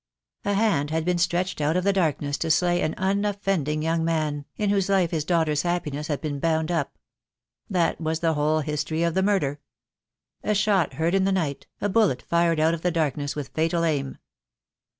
A hand had been stretched out of the darkness to slay an unoffending young man, in whose life his daughter's happiness had been bound up. That was the whole history of the murder. A shot heard in the night, a bullet fired out of the darkness with fatal aim.